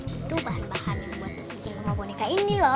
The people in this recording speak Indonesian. itu bahan bahan yang buat bikin rumah boneka ini loh